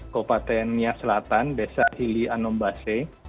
kopaten nia selatan desa hili anombase